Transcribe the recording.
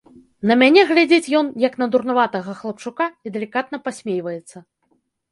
На мяне глядзіць ён, як на дурнаватага хлапчука, і далікатна пасмейваецца.